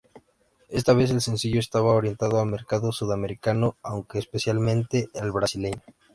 Esta vez el sencillo estaba orientado al mercado sudamericano, aunque específicamente al brasileño.